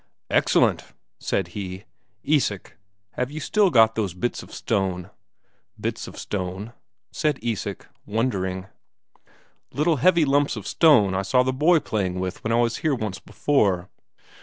"Excellent!" said he. "Isak, have you still got those bits of stone?" "Bits of stone?" said Isak, wondering. "Little heavy lumps of stone I saw the boy playing with when I was here once before."